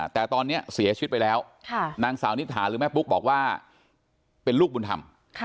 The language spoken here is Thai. แต่ตอนนี้เสียชีวิตไปแล้วนางสาวนิษฐาหรือแม่ปุ๊กบอกว่าเป็นลูกบุญธรรม